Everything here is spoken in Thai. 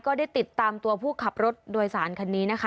ก็ได้ติดตามตัวผู้ขับรถโดยสารคันนี้นะคะ